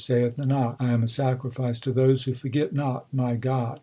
Saith Nanak, I am a sacrifice to those Who forget not my God.